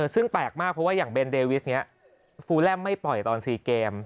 ซึ่งแปลกมากเพราะว่าอย่างเบนเดวิสนี้ฟูแลมไม่ปล่อยตอน๔เกม